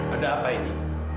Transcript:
ada apa ini